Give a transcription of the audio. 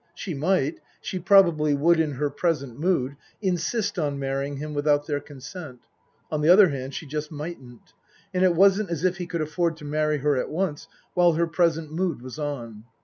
She might she probably would in her present mood insist on marrying him without their consent. On the other hand, she just mightn't. And it wasn't as if he could afford to marry her at once, while her present mood was on.